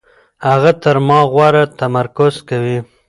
هغه تر ما غوره تمرکز کوي.